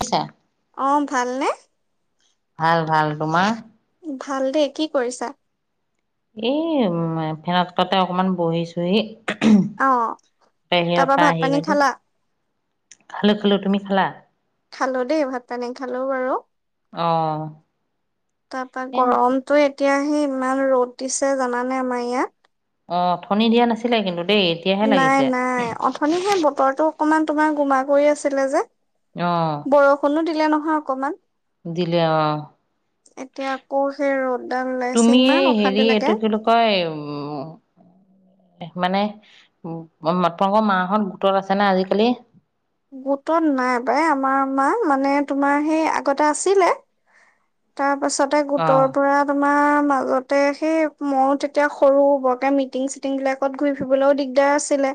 আচ্ছা অহ ভালনে? ভাল ভাল তোমাৰ? ভাল দেই কি কৰিছা? এই উহ ফেনৰ তলতে অকমান বহিছোঁহি অ বাহিৰৰ তাৰপা পৰা ভাত পানী আহিব দি খালা খালো খালো তুমি খালা? খালো দেই ভাত পানী খালো বাৰু। অ তাৰপা এ গৰমটো এটি এতিয়াহে ইমান ৰ'দ দিছে জানানে আমাৰ ইয়াত। অহ অথনি দিয়া নাছিলে কিন্তু দেই এতিয়াহে নাই লাগিছে নাই অথনি সেই বতৰটো অকনমান তোমাৰ গোমা কৰি আছিলে যে অ বৰষুণো দি [unintelligible] নহয় অকমান দিলে অহ এতিয়া আকৌ সেই ৰ'দডাল ওলাইছে তুমিে ইমান অশান্তি হেৰি লাগে এইটো কি বুলি কয় উম মানে তোমখৃ মাহত গোটত আছে নে আজিকালি গোটত নাই পাই আমাৰ মা মানে তোমাৰ সেই আগতে আছিলে তাৰ তাৰপাছতে অ গোটৰ পৰা তোমাৰ ম আগতে সেই ময়ো তেতিয়া সৰু বৰকে মিটিং চিটিং বিলাকত ঘূৰি ফুৰিবলৈও দিগদাৰ আছিলে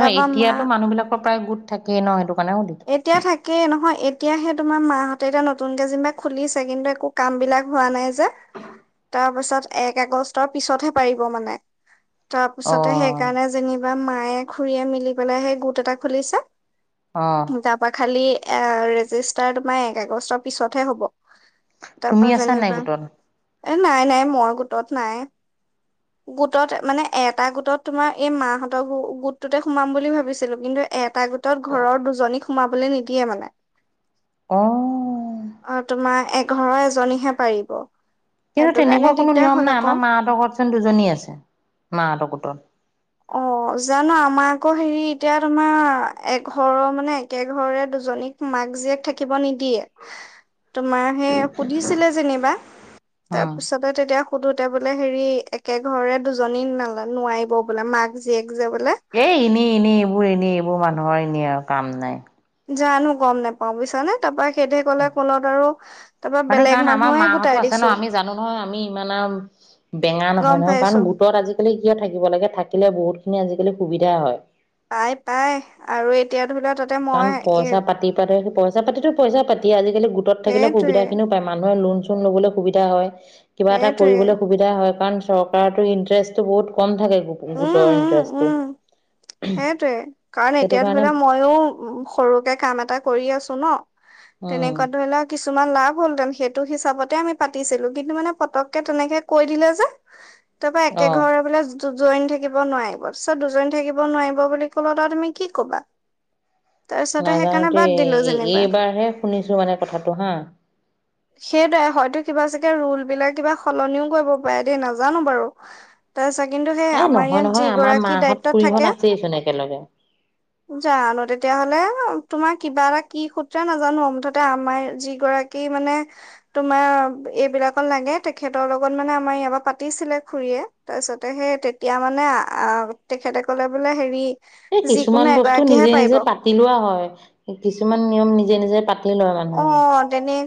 অহ তাৰপা মা এতিয়াতো মানুহ বিলাকৰ প্ৰায় গোট থাকে থাকে নহ সেইটো কাৰণে সুধিলো এতিয়া থাকেই নহয়, এতিয়াহে তোমাৰ মাহ তেতিয়া নতুনকে যেনিবা খুলিছে কিন্তু একো কাম বিলাক হোৱা নাইযে। [unintelligible] তাৰ পিছত এক আগষ্টৰ পিছতহে পাৰিব মানে। অ তাৰপিছতে সেইকাৰণে যেনিবা এইবাৰ মায়ে খুৰীয়ে মিলি পেলাইহে গোট এটা খুলিছে অ তাৰ পৰা খালি এয়ে আৰু ৰেজিষ্টাৰ তোমাৰ এক আগষ্টৰ পিছতহে হ'ব। তুমি আছা নাই গোটত? এহ নাই নাই মই গোটত নাই। গোটত মানে এটা গোটত তোমাৰ এই মাহঁতৰ গোটটোতে সোমাম বুলি ভাবিছিলো। কিন্তু এ এটা গোটত‌ ঘৰৰ সোমাবলৈ নিদিয়ে মানে অ অহ তোমাৰ এক ঘৰৰ এজনীহে পাৰিব। কিন্তু সেইটো কাৰণে তেনেকুৱা কোনো দিগদাৰ নিয়ম হ'ল নাই, আকৌ আমাৰ মাহঁতৰ ঘৰতচোন দুজনী আছে, মাহঁতৰ গোটৰ। অ, জানো আমাৰ আকৌ হেৰি এতিয়া তোমাৰ এঘৰৰ মানে একে ঘৰে দুজনীক মাক জীয়েক থাকিব নিদিয়ে। তোমাৰ সেই সুধিছিলে যেনিবা, উম তাৰপিছতে তেতিয়া সুধুতে বোলে হেৰি একে ঘৰে দুজনী নালা-নোৱাৰিব। বোলে মাক জীয়েক। এই, এনে, এনে এইবোৰ এইবোৰ এনে, এইবোৰ মানুহৰ এনে আৰু কাম নাই। জানো গম নেপাও বুইছানে তাৰপা সেইদৰে কলে ক'লত আৰু তাৰপা মানে বেলেগ কাৰণ আমাৰ মানুহে গোটাই মাহঁতো আছে ন দিছো আমি জানো নহয়, আমি ইমান আৰু বেঙা নহয়- গম নহয় কাৰণ পাইছো গোটত আজিকালি কিয় থাকিব লাগে থাকিলে বহুত খিনি আজিকালি সুবিধা হয়। পাই-পাই আৰু এতিয়া ধৰি লোৱা তাতে কাৰণ মই এ পইচা পাতি পাতে সেই পইচা পইচাপাতিটো পইচাপাতিয়ে আজিকালি গোটত থাকিলে সেইটোৱে সুবিধাখিনিও পায়, মানুহে লোন চুন ল'বলৈ সুবিধা হয়। কিবা এটা সেইটোৱে কৰিবলৈ সুবিধা হয়, কাৰণ চৰকাৰতো ইন্টাৰেষ্টটো বহুত কম থাকে। গোটৰ ইণ্ট্ৰষ্টটো। সেইটোয়ে, কাৰণ এতিয়া ধৰিলেও ময়ো উম, সৰুকে কাম এটা কৰি আছো ন। উম, তেনেকুৱা ধৰি লও কিছু আমাৰ লাভ হ'লহেঁতেন, সেইটো হিচাপতে আমি পাতিছিলো, কিন্তু মানে পতকে তেনেকে কৈ দিলে যে তাপা একে অ' ঘৰৰ বোলে য জ জইন থাকিব নোৱাৰিব, পিছত দুজনী থাকিব নোৱাৰিব বুলি কলত আও তুমি কি ক'বা? তাৰপিছতে নাজানো সেইকাৰণে বাদ দেই, দিলো যেনিবা। এইবাৰহে শুনিছো মানে কথাটো হা। এতিয়া ৰোল বিলাক কিবা সলনিও কৰিব পাৰে দেই নাজানো বাৰু, তাৰচাগে এ নহয়-নহয়, আমাৰ থাকে মাহঁত-খুৰীহত আছেই চোন একে জানো, তেতিয়াহ'লে [unintelligible] তোমাৰ কিবা এটা কি সূত্ৰে নাজানো মুঠতে আমাৰ যি গৰাকী মানে তোমাৰ এইবিলাকৰ লাগে তেখেতৰ লগত মানে আমাৰ ইয়াৰ পৰা পাতিছিলে খুৰীয়ে, তাৰপিছতে সেই তেতিয়া মানে আ আও তেখেতে ক'লে বোলে হেৰি এই যিকোনো কিছুমান বস্তু এগৰাকীহে নিজে- নিজে পাৰিব পাতি লোৱা হয়, কিছুমান নিয়ম নিজে- নিজে পাতি তি লয় মানুহে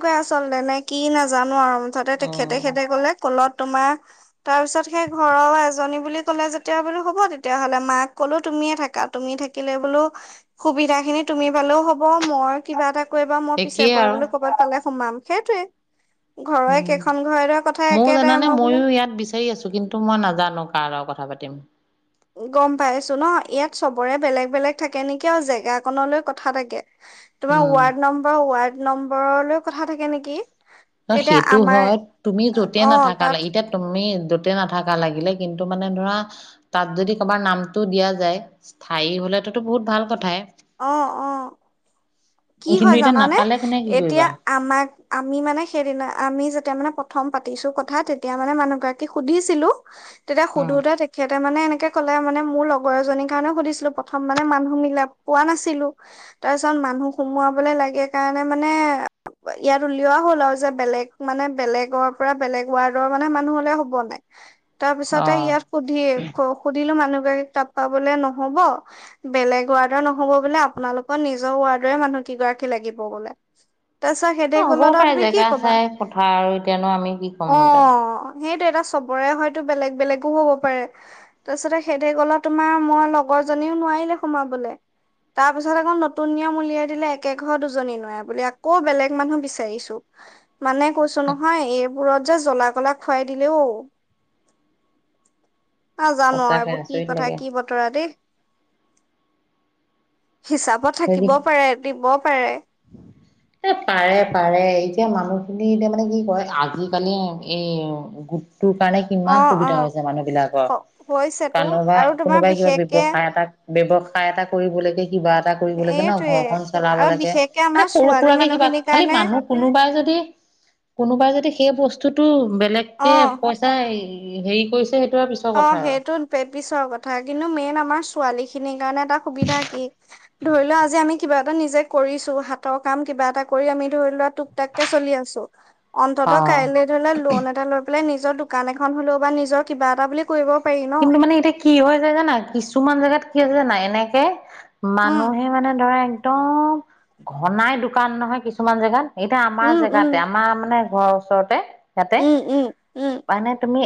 কুৱাই আচলতে, নে কি নাজানো আৰু। মুঠতে তেখেতে অ'। সেদৰে কলে কলত তোমাৰ, তাৰ পিছত সেই ঘৰৰ এজনী বুলি ক'লে যেতিয়া বোলো হ'ব তেতিয়া হ'লে। মাক ক'লো তুমিয়ে থাকা, তুমি থাকিলে বোলো সুবিধা খিনি তুমি পালেও হ'ব। মই কিবা এটা কৰিবা মই পিছে একেই পৰে আৰু বোলো ক'ৰবাত পালে সোমাম, সেইটোৱে ঘৰৰে উম, কেইখন ঘৰেৰে কথা মও একেটাই জানানে মই বোলো মইো ইয়াত বিচাৰি আছো, কিন্তু মই নাজানো কাৰ লগত কথা পাতিম। গম পাইছো ন', ইয়াত চবৰে বেলেগ বেলেগ থাকে নেকি আৰু জেগাকনলৈ কথা থাকে তোমাৰ উম। ৱাৰ্ড নম্বৰ, ৱাৰ্ড নম্বৰলৈ কথা থাকে নেকি ন' এতিয়া সেইতো আমাৰ হয়, তুমি যতে অ নাথাকা তাত লাগিলে এতিয়া তুমি য'তে নাথাকা লাগিলে, কিন্তু মানে ধৰা তাত যদি কাবাৰ নামটোও দিয়া যায় স্থায়ী হ'লেতোতো বহুত ভাল কথাই অ' অ', কি কিন্তু হয় এতিয়া জানানে, নাপালে কোনে কি এতিয়া কৰিবা আমাক আমি মানে সেইদিনা, আমি যেতিয়া মানে প্ৰথম পাতিছো কথা তেতিয়া মানে মানুহগৰাকীক সুধিছিলো তেতিয়া উম সুধোতে তেখেত খেতে মানে এনেকে ক'লে, মানে মোৰ লগৰ এজনীৰ কাৰণে সুধিছিলো প্ৰথম মানে মানুহ মিলা পোৱা নাছিলো, তাৰ পিছত মানুহ সোমোৱাবলে লাগে কাৰণে মানে ইয়াত উলিওৱা হ'ল আৰু যে বেলেগ মানে বেলেগৰ পৰা বেলেগ ৱাৰ্ডৰ মানে মানুহ হ'লে হ'বনে নাই অ তাৰপিছতে ইয়াত সুধি সুধিলো মানুহ তাপা বোলে ন'হব, বেলেগ ৱাৰ্ড ন'হব বোলে। আপোনালোকৰ নিজৰ ৱাৰ্ডৰে মানুহ কিগৰাকী লাগিব বোলে তাৰপিছত সেতে অ', ক'লত হ'বও আৰু পাৰে তুমি কি জেগা ক'বা? চাই কথা আৰু এতিয়া নো আমি কি অ ক'মনো তাত সেইটো, এতিয়া চবৰে হয়তো বেলেগ বেলেগো হব পাৰে। তাৰপিছতে সেইতে ক'লত তোমাৰ মোৰ লগৰ জনীও নোৱাৰিলে সোমাবলে। তাৰ পিছত আকৌ নতুন নিয়ম উলিয়াই দিলে একে ঘৰ দুজনী নোৱাৰে বুলি, আকৌ বেলেগ মানুহ বিচাৰিছো মানে কৈছো নহয় এইব বোৰত যে জ্বলা কলা খুৱাই দিলে অ অ জানো আও‌ সঁচাকে এইবো কি আচৰিত কথা লাগে কি বতৰা দেই হিচাপত হেৰি থাকিব পাৰে এ দিব পাৰে এ পাৰে পাৰে এতিয়া মানুহ খিনি এতিয়া মানে কি কয় আজিকালি এই গ তোৰ কাৰণে অ কিমান অ সুবিধা হৈছে মানুহ বিলাকৰ হৈছেতো কাৰোনোবা আৰু তোমাৰ কোনোবাই কিবা বিশেষকে ব্যৱসায় এটা ব্যৱসায় এটা কৰিবলেকে কিবা এটা কৰিব লাগে ন এইটোৱে ঘৰখন চলাব আৰু লাগে বিশেষকে মানে আমাৰ সৰু ছোৱালী সুৰাকে কিবা মানুহখিনিৰ খালি কাৰণে মানুহ কোনোবাই যদি কোনোবাই যদি সেই ব বস্তুটো অ বেলেগকে পইচাই উ হেৰি কৰিছে আৰু পিছৰ অ' কথা আৰু সেইটো পে - পিছৰ কথা কিন্তু মেইন আমাৰ ছোৱালী খিনিৰ কাৰণে এটা সুবিধা কি, ধৰি লোৱা আজি আমি কিবা এটা নিজে কৰিছো, হাতৰ কাম কিবা এটা কৰি আমি ধৰি লোৱা তুক তাক কে চলি আছোঁ। অ অন্ততঃ কাইলে ধৰি লোৱা লোণ এটা পেলাই নিজ জৰ দোকান এখন হলেও বা নিজৰ কিবা এটা বুলি কৰিব পাৰি ন কিন্তু মানে এতিয়া কি হয় যায় জানা কিছুমান জাগাত কি জানা এনেকে উম মানুহে মানে ধৰা একদম ঘনাই দোকান নহয় কিছুমান জেগাত এতিয়া আমাৰ উম উম জেগাতে আমাৰ মানে ঘৰৰ ওচৰতে। য়াতে, উম উম উম মানে তুমি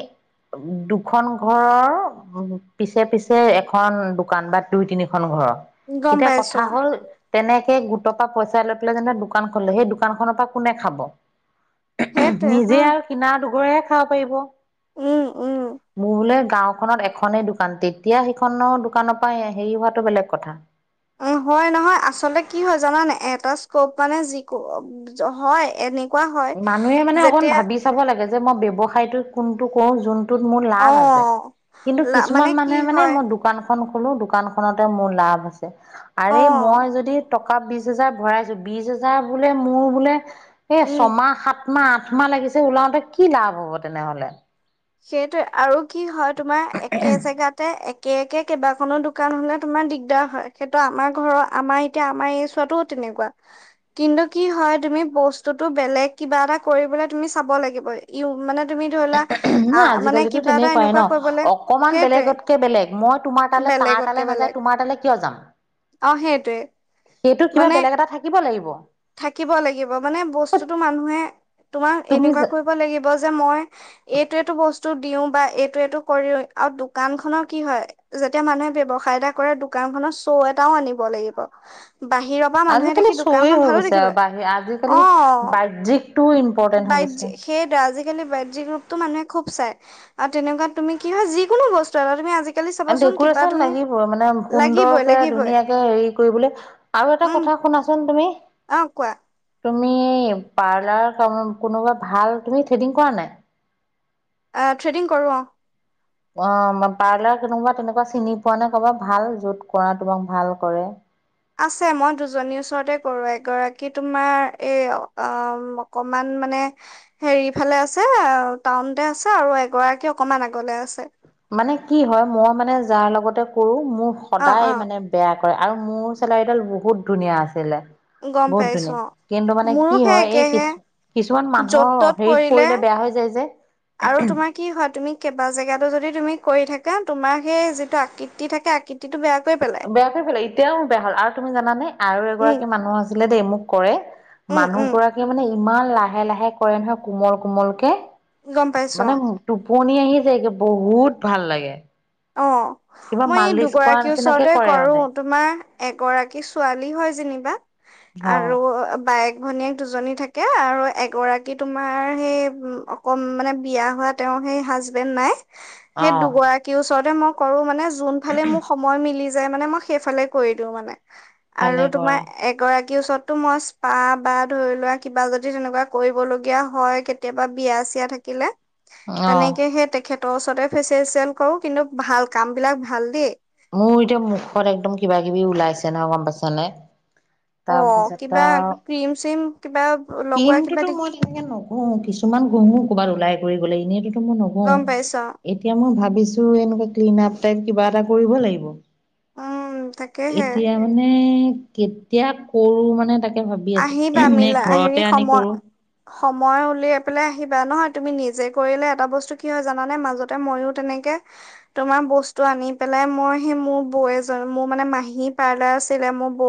দুখন ঘৰৰ উ - পিছে পিছে এখন দোকান বা দুই তিনিখন ঘৰৰ গম এতিয়া পাইছো কথা হ'ল তেনেকে গোটৰ পা পইচা লৈ পেলাই যেনিবা দোকান খুলিলোঁ, সেই দোকান খনৰ পৰা কোনে খাব সেইটোৱে নিজে হয় আৰু কিনা দু [unintelligible] খাব পাৰিব। উম উম। মোৰ বোলে গাঁওখনত এখনেই দোকান তেতিয়া সেইখনৰ দোকানৰ পৰাই এই - হেৰি হোৱাটো বেলেগ কথা উম হয় নহয় আচলতে কি হয় জানা নে নাই, এটা স্কপ মানে যি - কো - অ - জ- হয় এনে মানুহে মানে অকণ ভাবি চাব লাগে যে মই ব্যৱসায়টো কোনটো কৰো যোন টোত মোৰ অ লাভ আছে, কিন্তু লা কিছুমান কি মানে - মানে হয় মোৰ দোকান খন খুলো দোকানখনতে মোৰ লাভ আছে। অ আৰে মই যদি ট কা বিছ হাজাৰ ভৰাইছো, বিছ হাজাৰ বোলে মোৰ বোলে উম ছমাহ সাত মাহ, আঠ মাহ লাগিছে ওলাওঁতে কি লাভ হ'ব তেনেহলে। সেইটোয়ে আৰু কি হয় তোমাৰ একে জেগাতে এক‌ কে একে কেইবাখনো দোকান হলে তোমাৰ দিগদাৰ হয়, সেইটো আমাৰ ঘৰৰ আমাৰ এতিয়া আমাৰ এই চোৱাতোও তেনেকুৱা, কিন্তু কি হয় তুমি বস্তুতটো বেলেগ কিবা এটা কৰিবলৈ তুমি চাব লাগিব ইউ মানে তুমি ধৰিলোৱা নাই আজিকালিতো তেনেকুৱাই ন' অকমান সেইটোৱে বেলেগতকে বেলেগ, মই তোমাৰ তালে তাৰ বেলেগতকে তালৈ বেলেগ নাযায় তোমাৰ তাল। কিয় যাম অ' সেইটোৱে। সেইটো কিবা মানে বেলেগ এটা থাকিব লাগিব। থাকিব লাগিব, মানে বস্তুতো মানুহে তোমাৰ এনেকুৱা তুমি কৰিব লাগিব যে মই এইটো এইটো বস্তু দিও বা এইটো কৰিও আৰু দোকান খনৰ কি হয় যেতিয়া মানুহে ব্যৱসায় এটা কৰে দোকান খনৰ শ্ব' এটাও আনিব লাগিব। বাহিৰৰ পৰা মানুহে দেখি দোকানখন হয় ভালো গৈছে দেখিব আৰু বাহি লাগে। আজিকালি অ [unintelligible] টোও ইম্পৰ্টেণ্ট হৈ বাহ্যিক গৈছে। সেইটো আজিকালি [unintelligible] ৰূপতো মানুহে খুব চাই আৰু তেনেকুৱা তুমি কি হয় যিকোনো বস্তু এটা তুমি আজি ডেকুৰেচন লাগিবে মানে লাগিবই সুন্দৰকে লাগিবই ধুনীয়াকে হেৰি কৰিবলৈ। আৰু এটা উম কথা শুনাচোন তুমি? অ কোৱা? তুমি পাৰ্লাৰ কাম কোনোবা ভাল তুমি থ্ৰেডিং কৰা নাই? অ থট্ৰেডিং কৰো অ। অ পাৰ্লাৰ কোনোবা তেনেকুৱা চিনি পোৱা নে কৰবাত ভাল য'ত কৰা তোমাক ভাল কৰে। আছে মই দুজনীৰ ওচৰতে কৰো, এগৰাকী তোমাৰ এই অকমান মানে হেৰি ফালে আছে টাউনতে আছে আৰু এগৰাকী অকমান আগলে আছে। মানে কি হয় মই মানে যাৰ লগতে কৰো মোৰ অ অ সদায় মানে বেয়া আৰু মোৰ চেলাৰীডাল বহুত ধুনীয়া আছিলে। গম বহুত পাইছো ধুনীয়া অ কিন্তু মানে মোৰো কি সেই হয় এই একেহে কিছু কিছুমান য'ত মানুহৰ ত'ত হেৰিত কৰিলে পৰিলে বেয়া হৈ যায় যে। আৰু তোমাৰ কি হয় তুমি কিবা জেগাতো যদি তুমি কৰি থাকা তোমাৰ সেই যিটো আকৃতি থাকে আকৃতিটো বেয়া কৰি পেলাই বেয়া কৰি পেলাই এতিয়াও বেয়া হ'ল আৰু তুমি জান নে আৰু উম এগৰাকী মানুহ আছিলে দেই মোক কৰে উম মানুহ উম গৰাকীয়ে মানে ইমান লাহে লাহে কৰে নহয় কোমল কোমল কে। গম পাইছো অ। টোপনি আহি যায়ে বহুত ভাল লাগে। অ। কিবা মই এই মালিচ কৰা দুগৰাকীৰ নিচিনাকে ওচৰতে কৰে কৰো মানে তোমাৰ। এগৰাকী ছোৱালী হয় যেনিবা। অ আৰু বাএক ভনীয়েক দুজনী থাকে আৰু এগৰাকী তোমাৰ সেই অকণ মানে বিয়া হোৱা তেওঁৰ সেই হাজবেণ্ড নাই। অ সেই দুগৰাকী ওছৰতে মই কৰো মানে যোন ফালে মোক সময় মিলি যাই মানে মই সেইফালে কৰি দিওঁ মানে। ভালে আৰু তোমাৰ কৰা এগৰাকী কি ওচৰতটো ময় স্পা বা ধৰি লোৱা কিবা যদি তেনেকুৱা কৰিবলগীয়া হয় কেতিয়াবা বিয়া চিয়া থাকিলে অ তেনেকেহে তেখেত ত ওচৰতে ফেচিয়েলচিয়েল কৰো কিন্তু ভাল কাম বিলাক ভাল দেই। মোৰ এতিয়া মুখত একদম কিবা কিবি ওলাইছে নহয় গম পাইছা নে। অঁ কিবা ক্ৰীম চিম কিবা লগোৱা কিবা ক্ৰীমটোতো, মই দিগ তেনেকে ন উ কিছুমান ঘুহো ক'ৰবাত ওলাই কৰি গ'লে, এনেই ন [unintelligible] গম পাইছ এতিয়া মই ভাবিছো এনেকুৱা ক্ল আপ তাইক কিবা এটা কৰিব লাগিব। উম তাকেহে এতিয়া মানে কেতিয়া কৰো মানে, তাক ভাবি আছো। আহিবা নে মিলা ঘৰত হেৰি কি [unintelligible] কানে সময় কৰো। সময় উলিয়াই পেলাই আহিবা, নহয় তুমি নিজে কৰিলে এটা বস্তু কি হয় জানানে মাজতে মইও তেনেকে, তোমাৰ বস্তু আনি পেলাই, মই সেই মোৰ বৌ মোৰ মানে মাহী পাৰ্লাৰ আছিলে মোৰ বৌ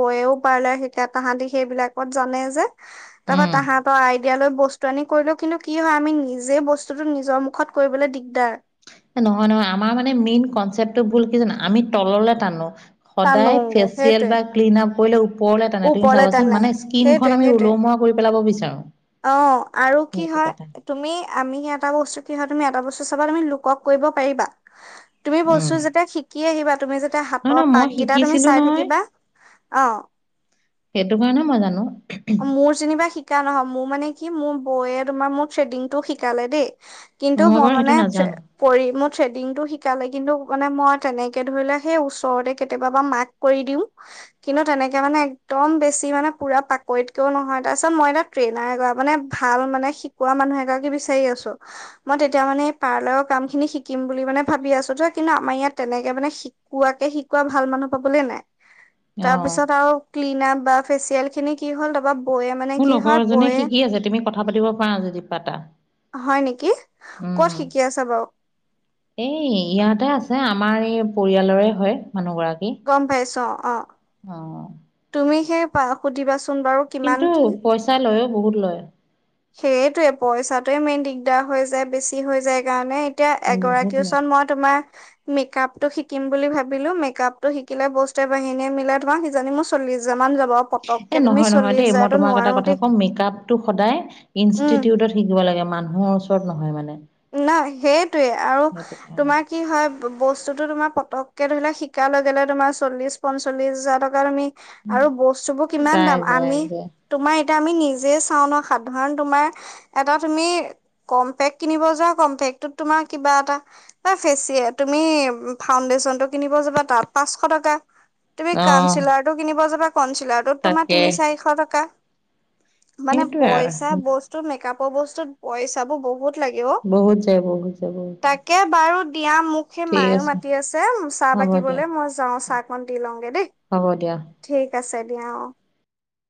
বয়েও পাৰ্লাৰ সিকাত তাহাঁতি সেইবিলাকত জানে যে, তাৰপা উম। তাহাতৰ আইডিয়া লৈ বস্তু আনি কৰিলো, কিন্তু কি হয় আমি নিজে বস্তুতটো নিজৰ মুখত কৰিবলৈ দিগদাৰ। নহয় নহয়, আমাৰ মানে মেইন কনচেপ্টটো ভুল কি জানো! আমি তললে টানো সদায় টানোগে ফেচিয়েল সেইটোৱে বা ক্লিন আপ কৰিলে [unintelligible] তুমি ওপৰলে চাবাচোন তানে, মানে স্কিনখন সেইটোৱে আমি সেইটোৱে, ওলমোৱা কৰি পেলাব বিচাৰো। অঁ' আৰু কি সেইটো হয়, কথা তুমি আমি এটা বস্তু কি হয়, তুমি এটা বস্তু চাৱা আমি লোকক কৰিব পাৰিবা তুমি বস্তু উম যেতিয়া শিকি আহিবা, তুমি যেতি নহয় হাতৰ নহয় মই পাককিটা তুমি শিকিছিলো চাই নহয় থাকিবা, অঁ সেইটো কাৰণে মই জানো। মোৰ যেনিবা শিকা নহয়, মোৰ মানে কি মোৰ বৌয়ে তোমাৰ মোৰ থ্ৰেডিং টো শিকালে দেই কিন্তু মই বাৰু মানে সেইটো নাজানো কৰি, মোৰ থ্ৰেডিং টো শিকি ালে, কিন্তু মানে মই তেনেকে ধৰিলে সেই ওচৰতে কেতিয়াবা বাা মাক কৰি দিও, কিন্তু তেনেকে এ' মানে এক্দম বেছি মানে পুৰা পাকৈৰিতকেও নহয়, তাৰপিছত মই এটা ট্ৰেইনাৰ, এ'মানে ভাল মানে শিকোৱা মানুহ এগৰাকী বিচাৰি আছো, মই তেতিয়া মানে পাৰ্লাৰৰ কাম খিনি শিকিম বুলি মানে ভাবি আছো তো, কিন্তু আমাৰ ইয়াত তেনেকে মানে শিকুৱাকে শিকোৱা ভাল মানুহ পাবলে নাই। অঁ। তাৰপিছত আৰু ক্লিন আপ বা ফেচিয়েল খিনি কি হ'ল তাৰপা বৌয়ে মানে মোৰ কি লগৰ হয় এজনে বৌয়ে শিকি আছে, তুমি কথা পাতিব পাৰা এটা হয় নেকি ক'ত শিকি আছা বাৰু উম এই ইয়াতে আছে আমাৰ এই পৰিয়ালৰে হয়। মানুহগৰাকী গম পাইছ অঁ। অ তুমি স প সুধিবা োন বাৰু কিমান কিন্তু কি? পইচা লয়ও বহুত লয় সেইটে পইচাত মেইন দিগদাৰ হৈ যায়, বেছি হৈ যায় কাৰণে এতিয়া বহুত এগৰাকীও লয় চন, মই তোমাৰ মেকআপ টো শিকিম বুলি ভাবিলো, মেকআপ টো শিকিলে বস্তুৰে বাহিনীয়ে মিলাই ধৰা সিযনি মু চল্িছ হাৰা মনা যাব এ নহয় নহয় দেই মই হাজাৰতো তোমাক এটা নোৱাৰো কথা দেই কম মেকআপ টো সদায় উম ইনষ্টিটিউটত শিকিব লাগে মানু মানুহৰ ওচৰত নহয় মানে। ন সেইটোৱে আৰু সেইটো কাৰণে তোমাৰ কি হয় বস্তুতো তোমাৰ পটককে ধৰি লোৱা শিকাৰ লগে- লগে তোমাৰ চল্লিছ পঞ্চল্লিশ হাজাৰ টকা তুমি আৰু বস্তু বোৰ এ কিমান যাই দাম, যাই আমি যে তোমাৰ এতিয়া আমি নিজে চাও ন, সাধাৰণ তোমাৰ এটা তুমি কম্পেক্ট কিনিব যোৱা কম্পেক্ট টোত তোমাৰ কিবা এটা বা ফেচিয়েল তুমি ফাউণ্ডেশ্যন টো কিনিব যাবা তাত পাঁচশ টকা। তুমি অ কানচিলাৰ টো কিনিব যাবা কন চিলাৰটোত তোমাৰ তাকে তিনি চাৰিশ টকা। মানে সেইটোৱে পইচা আৰু বস্তু মেকআপ বস্তুত পইচাবোৰ বহুত লাগে অ বহুত যায়- বহুত যায় বহুত। এতিয়া মোক সেই মায়ও মাতি আছে চাহ হ'ব দিয়া বাকিবলৈ মই যাওঁ চাহকন দি লওঁগে দেই, হ'ব দিয়া ঠিক আছে [unintelligible]